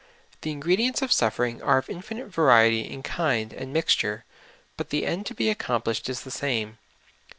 The ingredients of suffering are of infinite variety in kind and mix ture, but the end to be accomplished is the same.